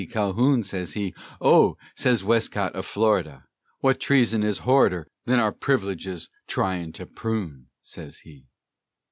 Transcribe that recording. Calhoun, sez he; "Oh," sez Westcott o' Florida, "Wut treason is horrider Than our priv'leges tryin' to proon?" sez he.